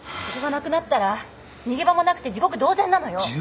そこがなくなったら逃げ場もなくて地獄同然なのよ。